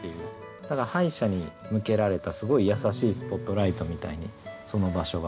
ただ敗者に向けられたすごい優しいスポットライトみたいにその場所が浮かぶなと。